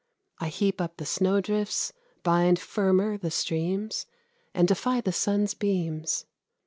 I heap up the snowdrifts, bind firmer the streams, And defy the sun's beams.